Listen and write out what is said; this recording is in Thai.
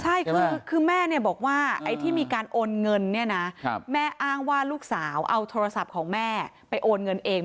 ใช่คือแม่เนี่ยบอกว่าไอ้ที่มีการโอนเงินเนี่ยนะแม่อ้างว่าลูกสาวเอาโทรศัพท์ของแม่ไปโอนเงินเอง